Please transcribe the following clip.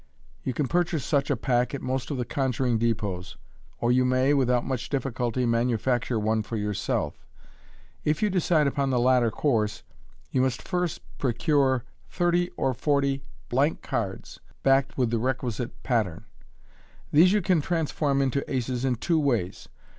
You can pur chase such a pack at most of the conjuring dep6ts, or you may. with out much difficulty, manufacture one for yourself. If you decide upon the latter course, you must first procure thirty or forty blank cards backed with the requisite pattern. These you can transform into aces in two ways.